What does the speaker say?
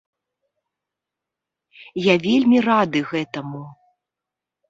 Я вельмі рады гэтаму.